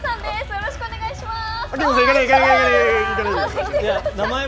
よろしくお願いします。